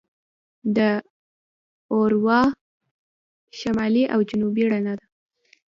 د اورورا شمالي او جنوبي رڼا ده.